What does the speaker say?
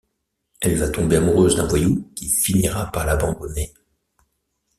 Elle va tomber amoureuse d'un voyou qui finira par l'abandonner.